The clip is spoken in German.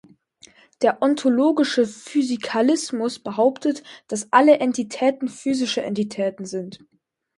Der ontologische Physikalismus behauptet, dass alle Entitäten physische Entitäten sind.